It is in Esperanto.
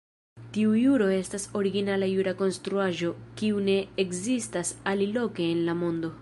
Tiu juro estas originala jura konstruaĵo, kiu ne ekzistas aliloke en la mondo.